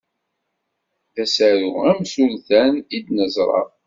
D asaru amsultan i d-neẓra.